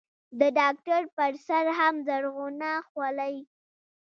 د ډاکتر پر سر هم زرغونه خولۍ.